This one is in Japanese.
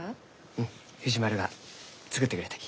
うん藤丸が作ってくれたき。